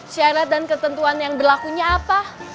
syarat dan ketentuan yang berlakunya apa